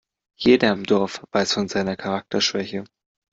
Jeder im Dorf weiß von seiner Charakterschwäche.